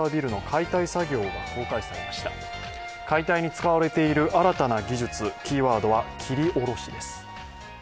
解体に使われている新たな技術、キーワードは切り下ろしです。